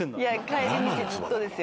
帰り道ずっとですよ。